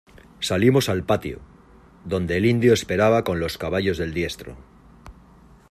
salimos al patio, donde el indio esperaba con los caballos del diestro: